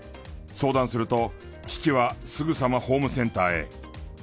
相談すると父はすぐさまホームセンターへ。